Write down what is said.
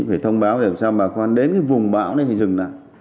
phải thông báo để làm sao bà con đến cái vùng bão này thì dừng lại